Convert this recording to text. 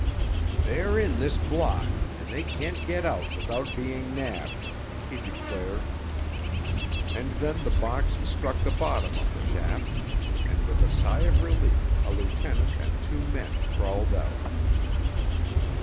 "They're in this block—and they can't get out without being nabbed!" he declared. And then the box struck the bottom of the shaft, and with a sigh of relief a lieutenant and two men crawled out.